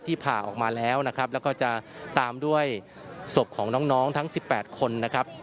ผ่าออกมาแล้วนะครับแล้วก็จะตามด้วยศพของน้องทั้ง๑๘คนนะครับ